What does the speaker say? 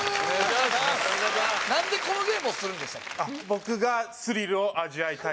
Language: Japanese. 何でこのゲームをするんでしたっけ？